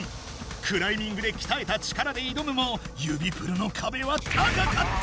クライミングできたえた力でいどむも指プルのかべは高かった！